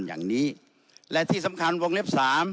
อย่างนี้และที่สำคัญวงเล็บสาม